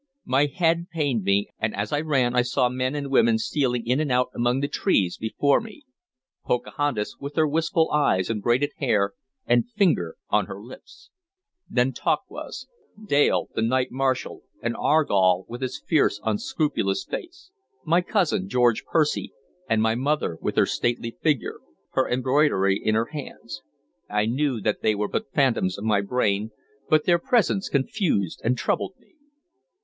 My head pained me, and as I ran I saw men and women stealing in and out among the trees before me: Pocahontas with her wistful eyes and braided hair and finger on her lips; Nantauquas; Dale, the knight marshal, and Argall with his fierce, unscrupulous face; my cousin George Percy, and my mother with her stately figure, her embroidery in her hands. I knew that they were but phantoms of my brain, but their presence confused and troubled me.